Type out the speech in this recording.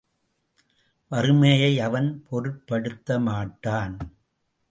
வறுமையை அவன் பொருட்படுத்த மாட்டான்.